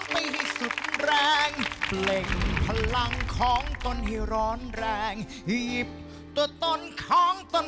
มันจะเป็นตัวแทนที่มีแรงฝันช่วยพลักตันให้ก้าวไป